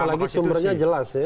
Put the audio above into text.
apalagi sumbernya jelas ya